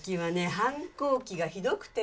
反抗期がひどくてね。